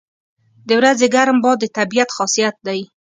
• د ورځې ګرم باد د طبیعت خاصیت دی.